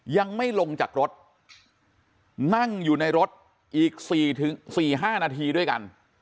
ยังไม่ลงจากรถนั่งอยู่ในรถอีก๔๕นาทีด้วยกัน